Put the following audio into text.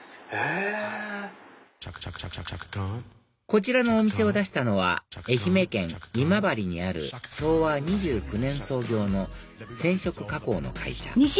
こちらのお店を出したのは愛媛県今治にある昭和２９年創業の染色加工の会社